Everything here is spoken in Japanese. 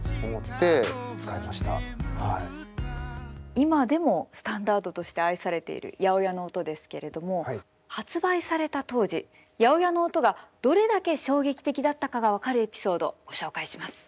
今でもスタンダードとして愛されている８０８の音ですけれども発売された当時８０８の音がどれだけ衝撃的だったかが分かるエピソードご紹介します。